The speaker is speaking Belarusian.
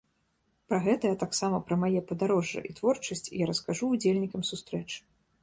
Пра гэта, а таксама пра мае падарожжа і творчасць я раскажу ўдзельнікам сустрэч.